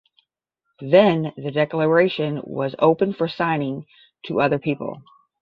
Then the "Declaration" was opened for signing to other people.